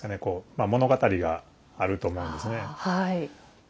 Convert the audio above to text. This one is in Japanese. こうまあ物語があると思うんですね。